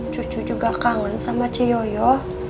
cucu juga kangen sama ce yoyo